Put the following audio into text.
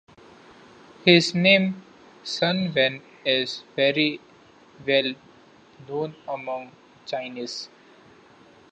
His name Sun Wen is very well known among Chinese.